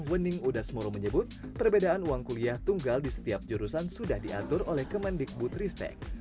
wening udasmoro menyebut perbedaan uang kuliah tunggal di setiap jurusan sudah diatur oleh kemendikbutristek